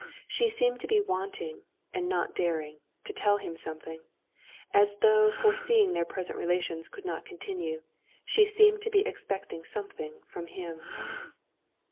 She seemed to be wanting, and not daring, to tell him something; and as though foreseeing their present relations could not continue, she seemed to be expecting something from him.